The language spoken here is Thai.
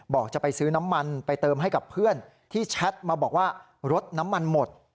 บอกจะไปซื้อน้ำมันไปเติมให้กับเพื่อนที่แชทมาบอกว่ารถน้ำมันหมด